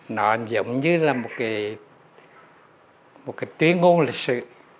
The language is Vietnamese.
nó giống như là một cái tuyên ngôn lịch sử